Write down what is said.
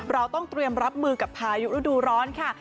เราต้องเตรียมรับมือกับพายุฤดูร้อนค่ะ